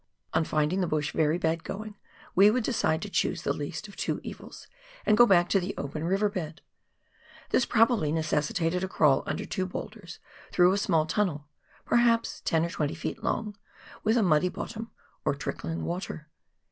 On finding the bush very bad going we would decide to choose the least of two evils and go back to the open river bed. This probably necessitated a crawl under two boulders, through a small tunnel, perhaps 10 or 20 ft. long, with a muddy bottom, or trickling water.